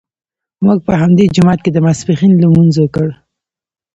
موږ په همدې جومات کې د ماسپښین لمونځ وکړ.